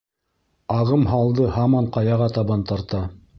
Ағым һалды һаман ҡаяға табан тарта.